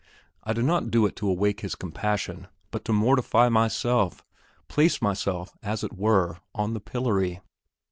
I do not do it to awake his compassion, but to mortify myself, place myself, as it were, on the pillory.